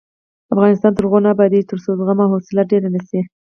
افغانستان تر هغو نه ابادیږي، ترڅو زغم او حوصله ډیره نشي.